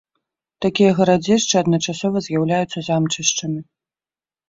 Такія гарадзішчы адначасова з'яўляюцца замчышчамі.